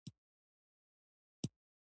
پال کوه چې زر ښه شې